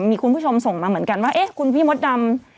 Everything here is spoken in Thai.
มีคุณผู้ชมส่งมาเหมือนกันว่าเอ๊ะคุณพี่มดดำ